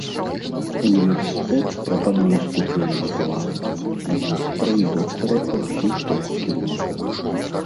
Універсітэт прапануе ступені бакалаўра, магістра і доктара па ўсіх трох кірунках.